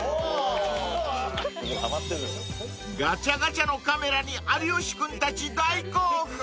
［ガチャガチャのカメラに有吉君たち大興奮］